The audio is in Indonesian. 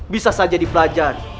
bisa saja dipelajari